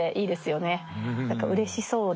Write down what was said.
何かうれしそうで。